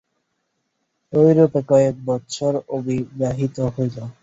এইরূপে কয়েক বৎসর অতিবাহিত হইল।